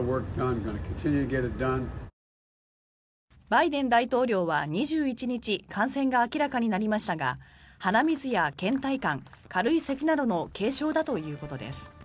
バイデン大統領は２１日感染が明らかになりましたが鼻水やけん怠感軽いせきなどの軽症だということです。